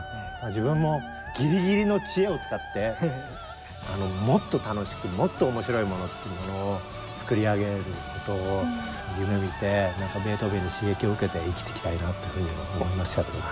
自分もぎりぎりの知恵を使ってあの「もっと楽しくもっと面白いもの」っていうものをつくり上げることを夢みてベートーベンに刺激を受けて生きていきたいなというふうには思いましたけど。